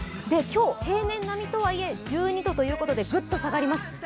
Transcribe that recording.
今日、平年並みとはいえ１２度ということでグッと下がります。